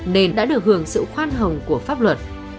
nên đã được hưởng sự khoan hồng của pháp luật